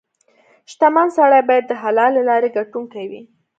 • شتمن سړی باید د حلالې لارې ګټونکې وي.